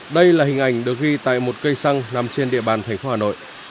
đây là hình ảnh được ghi tại một cây xăng nằm trên địa bàn thành phố hà nội